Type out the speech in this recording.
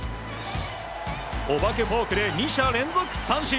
お化けフォークで２者連続三振。